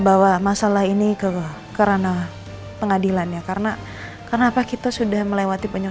bawa masalah ini ke kerana pengadilan ya karena kenapa kita sudah melewati banyak